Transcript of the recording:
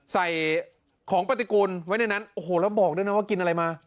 ใส่ของปฏิกูลไว้ในนั้นโอ้โหแล้วบอกด้วยนะว่ากินอะไรมา